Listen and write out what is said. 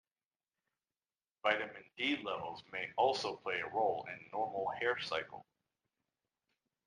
Vitamin D levels may also play a role in normal hair cycle.